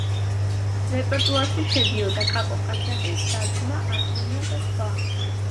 რეპერტუარში შედიოდა „კაკო ყაჩაღი“, „და-ძმა“, „არსენა“ და სხვა.